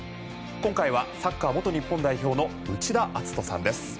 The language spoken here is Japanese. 今回はサッカー元日本代表の内田篤人さんです。